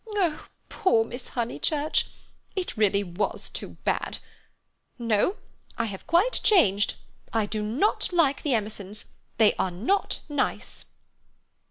Oh, poor Miss Honeychurch! It really was too bad. No, I have quite changed. I do not like the Emersons. They are not nice."